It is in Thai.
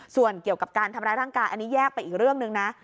ส่วนเกี่ยวกับการทำร้ายร่างกายอันนี้แยกไปอีกเรื่องหนึ่งนะ